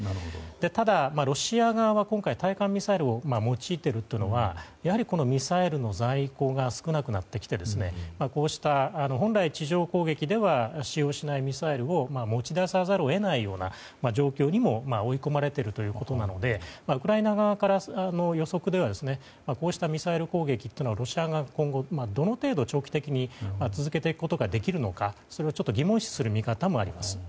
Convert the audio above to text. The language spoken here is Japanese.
ただ、ロシア側は今回、対艦ミサイルを用いているというのはやはり、ミサイルの在庫が少なくなってきて本来、地上攻撃では使用しないミサイルを持ち出さざるを得ないような状況にも追い込まれているということなのでウクライナ側の予測ではこうしたミサイル攻撃はロシア側が長期的に続くことができるのかそれを疑問視する見方もあります。